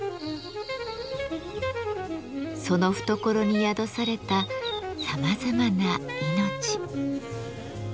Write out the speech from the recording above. その懐に宿されたさまざまな命。